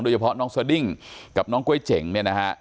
โดยเฉพาะน้องสดิ้งกับน้องก๊วยเจ๋งเนี่ยนะฮะ